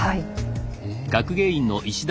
へえ。